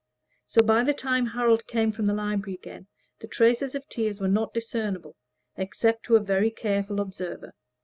So, by the time Harold came from the library again, the traces of tears were not discernible, except to a very careful observer.